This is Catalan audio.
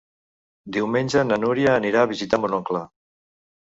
Diumenge na Núria anirà a visitar mon oncle.